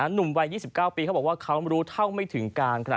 หนุ่มวัย๒๙ปีเขาบอกว่าเขารู้เท่าไม่ถึงการขนาด